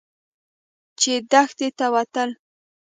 چې دښتې ته وتله.